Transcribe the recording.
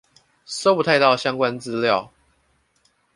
搜不太到相關資料